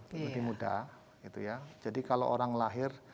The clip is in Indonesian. jadi muda gitu ya jadi kalau orang lahir